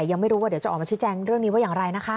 ยังไม่รู้ว่าเดี๋ยวจะออกมาชี้แจงเรื่องนี้ว่าอย่างไรนะคะ